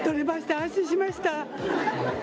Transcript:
安心しました。